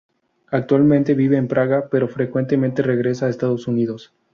Actualmente vive en Praga pero frecuentemente regresa a Estados Unidos.